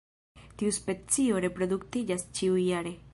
Tiu specio reproduktiĝas ĉiujare.